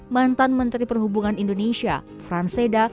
mantan menteri perhubungan indonesia fran seda